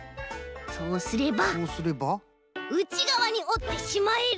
そうすればうちがわにおってしまえる！